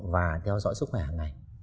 và theo dõi sức khỏe hàng ngày